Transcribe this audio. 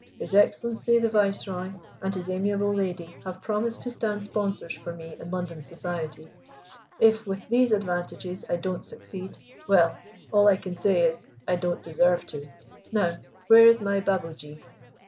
His Excellency the Viceroy and his amiable lady have promised to stand sponsors for me in London society. If with these advantages I don't succeed, well, all I can say is, I don't deserve to. Now where is my Babuji?"